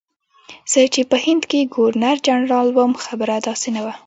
زه چې په هند کې ګورنرجنرال وم خبره داسې نه وه.